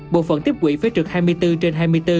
bộ phận tiếp quỷ với trực hai mươi bốn trên hai mươi bốn